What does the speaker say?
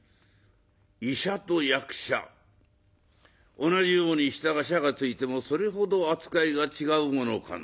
医者と役者同じように下が『者』がついてもそれほど扱いが違うものかな」。